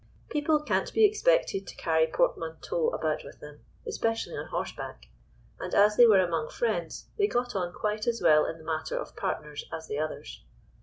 People can't be expected to carry portmanteaux about with them, especially on horseback, and as they were among friends they got on quite as well in the matter of partners as the others.